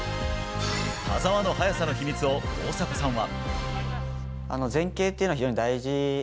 田澤の速さの秘密を大迫さんは。